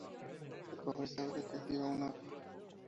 El cofre se abre, que activa un mapa.